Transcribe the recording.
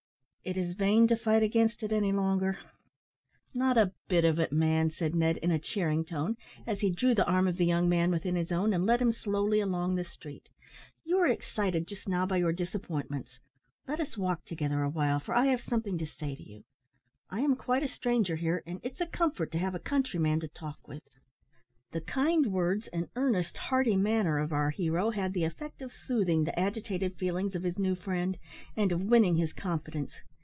It is vain to fight against it any longer." "Not a bit of it, man," said Ned, in a cheering tone, as he drew the arm of the young man within his own, and led him slowly along the street. "You are excited just now by your disappointments. Let us walk together a while, for I have something to say to you. I am quite a stranger here, and it's a comfort to have a countryman to talk with." The kind words, and earnest, hearty manner of our hero, had the effect of soothing the agitated feelings of his new friend, and of winning his confidence.